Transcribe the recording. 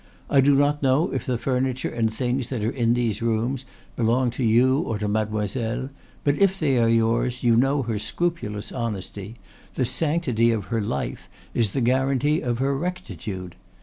I do not know if the furniture and things that are in these rooms belong to you or to Mademoiselle; but if they are yours, you know her scrupulous honesty; the sanctity of her life is the guarantee of her rectitude.